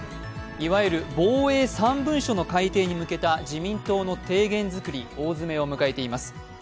いわゆる防衛３文書の改定に向けた自民党ですが、大詰めを迎えています。